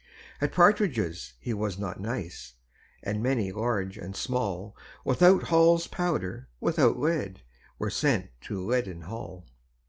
At partridges he was not nice; And many, large and small, Without Hall's powder, without lead, Were sent to Leaden Hall.